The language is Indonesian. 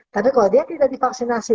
tapi kalau dia tidak divaksinasi